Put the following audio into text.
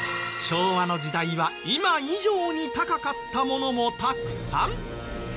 昭和の時代は今以上に高かったものもたくさん。